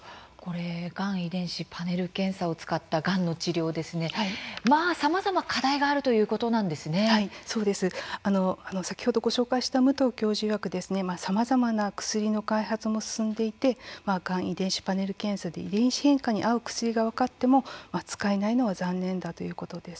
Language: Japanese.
がん遺伝子パネル検査を使ったがんの治療さまざま課題があるということな先ほどご紹介した武藤教授いわく、さまざまな薬の開発も進んでいてがん遺伝子パネル検査で遺伝子変化に合う薬が分かっても使えないのは残念だということです。